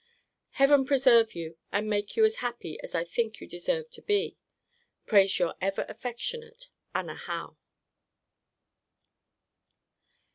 Heaven preserve you, and make you as happy as I think you deserve to be, prays Your ever affectionate ANNA HOWE.